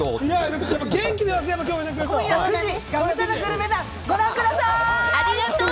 今夜９時、『がむしゃらグルメ団』ご覧ください！